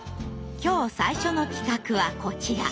今日最初の企画はこちら。